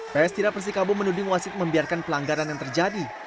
ps tira persikabo menuding wasit membiarkan pelanggaran yang terjadi